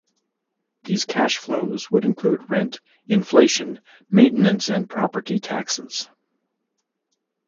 These cash flows would include rent, inflation, maintenance and property taxes.